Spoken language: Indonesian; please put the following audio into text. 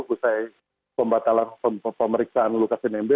usai pembatalan pemeriksaan lukas nmb